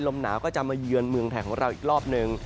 ลมหนาวก็จะมาเยือนเมืองไทยของเราอีกรอบหนึ่ง